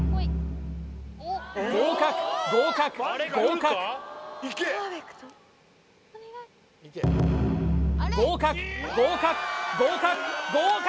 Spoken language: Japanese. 合格合格合格合格合格合格合格！